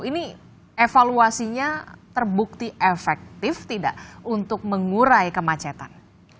ini evaluasinya terbukti efektif tidak untuk mengurai kemacetan